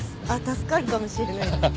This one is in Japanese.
助かるかもしれないですけど。